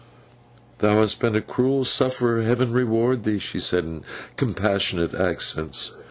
'Thou hast been a cruel sufferer, Heaven reward thee!' she said, in compassionate accents.